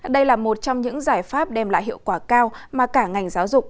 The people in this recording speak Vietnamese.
đây là một trong những giải pháp đem lại hiệu quả cao mà cả ngành giáo dục